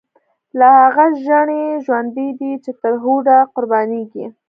لا هغه ژڼۍ ژوندۍ دی، چی تر هوډه قربانیږی